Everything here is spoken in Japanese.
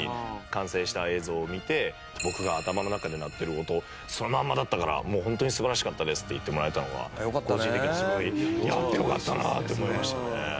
完成した映像を見て「僕が頭の中で鳴ってる音そのまんまだったからもうホントに素晴らしかったです」って言ってもらえたのが個人的にすごいやってよかったなって思いましたね。